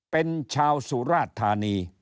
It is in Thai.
เป็นชาวสุราชธานี